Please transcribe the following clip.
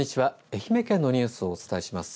愛媛県のニュースをお伝えします。